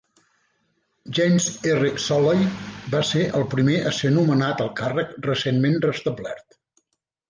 James R. Soley va ser el primer a ser nomenat al càrrec recentment restablert.